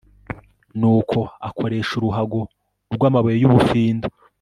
nuko akoresha uruhago rw'amabuye y'ubufindo